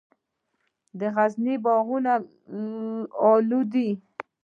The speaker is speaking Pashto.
د غزني باغونه الو دي